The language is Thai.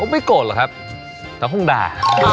ไม่โกรธหรอกครับแต่คงด่า